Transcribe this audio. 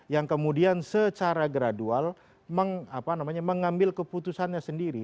yang kemudian secara gradual mengambil keputusannya sendiri